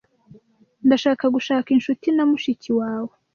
Ndashaka gushaka inshuti na mushiki wawe.